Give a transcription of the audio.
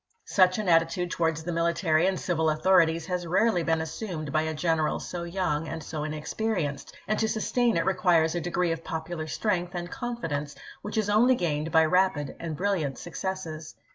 Such an attitude towards the military and civil authorities has rarely been assumed by a general so young and so inexperienced, and to sustain it re quires a degi'ee of popular strength and confidence which is only gained by rapid and brilliant suc cesses.